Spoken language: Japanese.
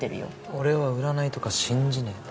俺は占いとか信じねぇんだ。